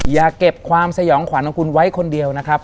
อย่าเก็บความสยองขวัญของคุณไว้คนเดียวนะครับ